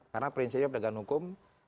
karena prinsipnya pendekatan hukum